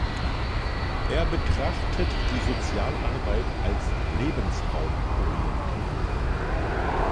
Er betrachtet die Sozialarbeit als Lebensraum-orientiert.